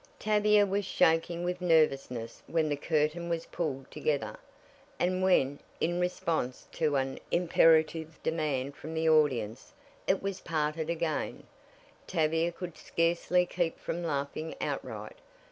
Tavia was shaking with nervousness when the curtain was pulled together, and when, in response to an imperative demand from the audience, it was parted again, Tavia could scarcely keep from laughing outright.